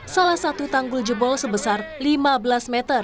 salah satu tanggul jebol sebesar lima belas meter